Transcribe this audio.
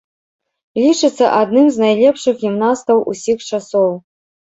Лічыцца адным з найлепшых гімнастаў усіх часоў.